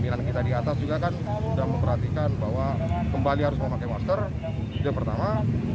untuk kebaikan bersama